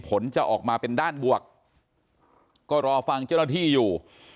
ผลจะออกมาเป็นด้านบวกก็รอฟังเจ้าหน้าที่อยู่